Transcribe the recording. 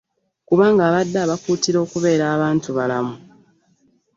Kubanga abadde abakuutira okubeera abantu balamu